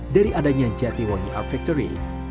dari adanya jatiwangi art factory